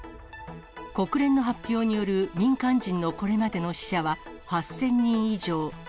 国連の発表による民間人のこれまでの死者は、８０００人以上。